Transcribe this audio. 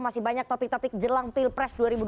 masih banyak topik topik jelang pilpres dua ribu dua puluh